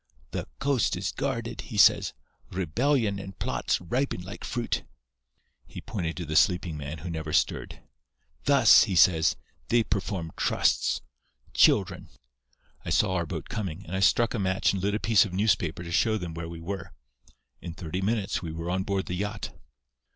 'The coast is guarded,' he says. 'Rebellion and plots ripen like fruit.' He pointed to the sleeping man, who never stirred. 'Thus,' he says, 'they perform trusts. Children!' "I saw our boat coming, and I struck a match and lit a piece of newspaper to show them where we were. In thirty minutes we were on board the yacht.